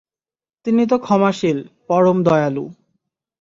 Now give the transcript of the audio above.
তিনি তো ক্ষমাশীল, পরম দয়ালু।